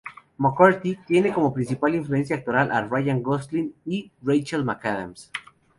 McCarthy tiene como principal influencia actoral a Ryan Gosling y Rachel McAdams.